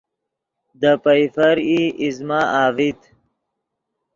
دے پئیفر ای ایزمہ اڤیت